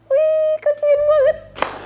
wih kesian banget